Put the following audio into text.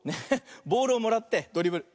ボールをもらってドリブル。